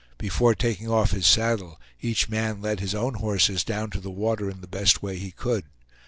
Before taking off his saddle each man led his own horses down to the water in the best way he could.